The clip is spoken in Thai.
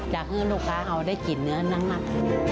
ดังเหมือนลูกค้าเขาได้กลิ่นเนื้อนัก